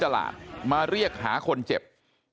แล้วป้าไปติดหัวมันเมื่อกี้แล้วป้าไปติดหัวมันเมื่อกี้